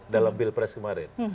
dalam bilpres kemarin